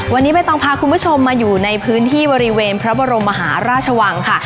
วันนี้ใบตองพาคุณผู้ชมมาอยู่ในพื้นที่บริเวณพระบรมมหาราชวังค่ะ